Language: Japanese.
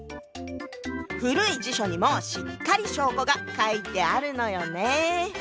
古い辞書にもしっかり証拠が書いてあるのよね。